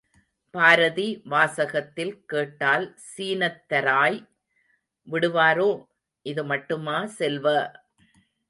பாரதி வாசகத்தில் கேட்டால், சீனத்தராய் விடுவாரோ? இதுமட்டுமா, செல்வ!